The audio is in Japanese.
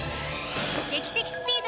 劇的スピード！